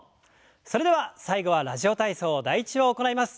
それでは最後は「ラジオ体操第１」を行います。